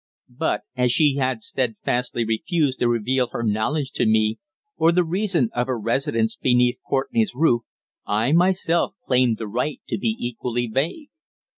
But as she had steadfastly refused to reveal her knowledge to me, or the reason of her residence beneath Courtenay's roof, I myself claimed the right to be equally vague.